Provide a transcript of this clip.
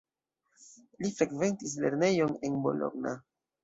Li frekventis lernejon en Bologna.